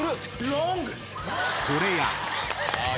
［これや］